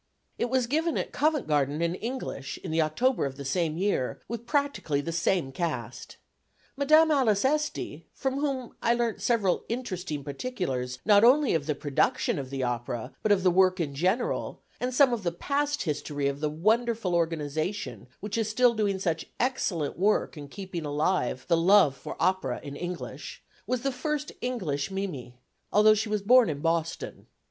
It was given at Covent Garden in English, in the October of the same year, with practically the same cast. Madame Alice Esty, from whom I learnt several interesting particulars, not only of the production of the opera, but of the work in general, and some of the past history of the wonderful organisation which is still doing such excellent work in keeping alive the love for opera in English, was the first English Mimi, although she was born in Boston.